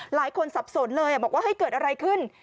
หลายคนสับสนเลยบอกว่าให้เกิดอะไรขึ้น